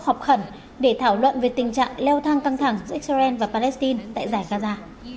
họp khẩn để thảo luận về tình trạng leo thang căng thẳng giữa israel và palestine tại giải gaza